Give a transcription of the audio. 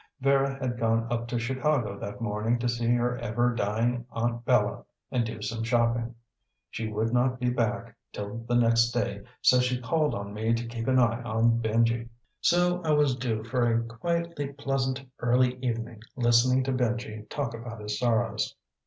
Vera had gone up to Chicago that morning to see her ever dying Aunt Bella and do some shopping. She would not be back till the next day so she called on me to keep an eye on Benji. So I was due for a quietly pleasant early evening listening to Benji talk about his sorrows.